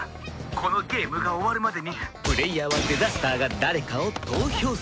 このゲームが終わるまでにプレイヤーはデザスターが誰かを投票する。